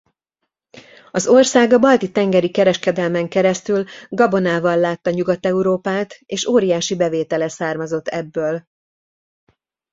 Az ország a balti-tengeri kereskedelmen keresztül gabonával látta Nyugat-Európát és óriási bevétele származott ebből.